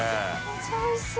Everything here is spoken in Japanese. めちゃおいしそう。